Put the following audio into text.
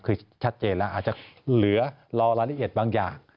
คือชัดเจนแล้วอาจจะเหลือรอรายละเอียดบางอย่าง